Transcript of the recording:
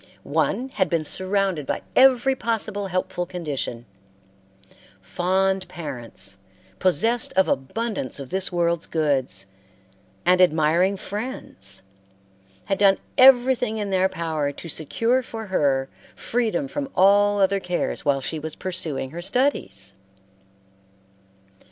One had been surrounded by every possible helpful condition. Fond parents, possessed of abundance of this world's goods, and admiring friends, had done everything in their power to secure for her freedom from all other cares while she was pursuing her studies.